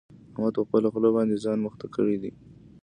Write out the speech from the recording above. احمد په خپله خوله باندې ځان مخته کړی دی.